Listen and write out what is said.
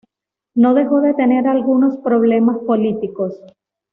No dejó de tener algunos problemas políticos.